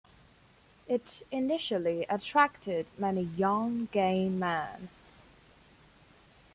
It initially attracted many young gay men.